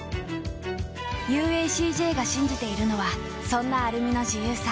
ＵＡＣＪ が信じているのはそんなアルミの自由さ。